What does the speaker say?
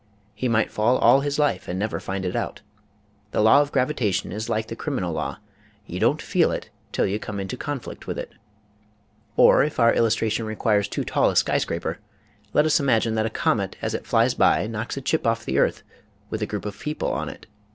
He might fall all his life and never find it out. The law of gravitation is like crim inal law; you don't feel it till you come into conflict with it. Or if our illustration requires too tall a skyscraper, 82 EASY LESSONS IN EINSTEIN let us imagine that a comet as it flies by knocks a chip oif the earth with a group of people on it.